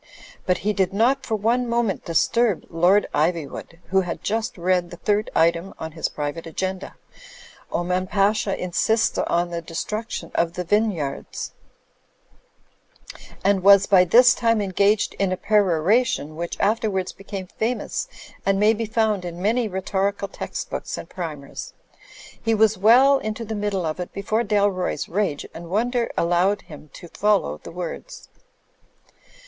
But he did not for one moment disturb Lord Ivywood, who had just read the third item on his private agenda ("Oman Pasha insists on the destruction of the vine)rards") and was by this time engaged in a peroration which afterwards became fa mous and may be f oimd in many rhetorical text books and primers. He was well into the middle of it before Dalroy's rage and wonder allowed him to follow the words.